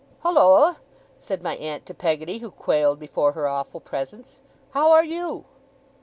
'Holloa!' said my aunt to Peggotty, who quailed before her awful presence. 'How are YOU?